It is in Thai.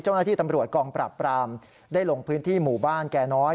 เจ้าหน้าที่ตำรวจกองปราบปรามได้ลงพื้นที่หมู่บ้านแก่น้อย